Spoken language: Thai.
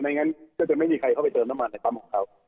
งั้นก็จะไม่มีใครเข้าไปเติมน้ำมันในปั๊มของเขา